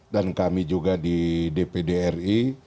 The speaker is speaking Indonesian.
dan kami juga di dpri